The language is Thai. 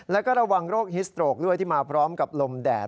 แล้วก็ระวังโรคฮิสโตรกด้วยที่มาพร้อมกับลมแดด